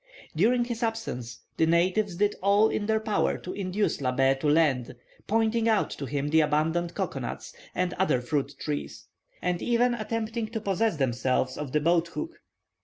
During his absence, the natives did all in their power to induce Labbé to land, pointing out to him the abundant cocoa nut and other fruit trees, and even attempting to possess themselves of the boat hook.